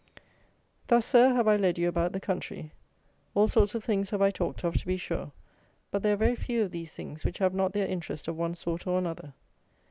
Thus, Sir, have I led you about the country. All sorts of things have I talked of, to be sure; but there are very few of these things which have not their interest of one sort or another.